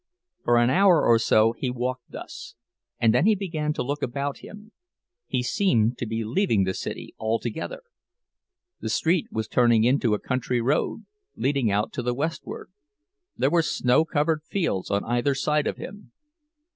For an hour or so he walked thus, and then he began to look about him. He seemed to be leaving the city altogether. The street was turning into a country road, leading out to the westward; there were snow covered fields on either side of him.